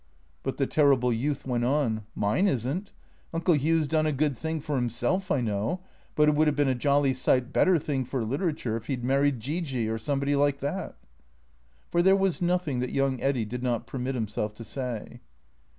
But the terrible youth went on. " Mine is n't. Uncle Hugh 's done a good thing for himself, I know. But it would have been a jolly sight better thing for literature if he 'd married Gee Gee, or somebody like that." For there was nothing that young Eddy did not permit him self to say.